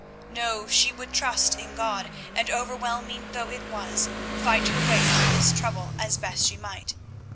No, she would trust in God, and overwhelming though it was, fight her way through this trouble as best she might.